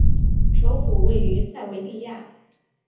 首府位于塞维利亚。